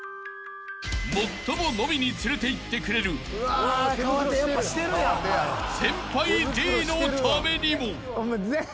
［最も飲みに連れていってくれる先輩Ｄのためにも］